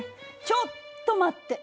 ちょっと待って！